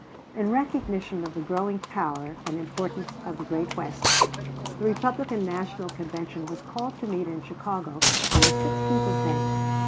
In recognition of the growing power and importance of the great West, the Republican National Convention was called to meet in Chicago on the 16th of May.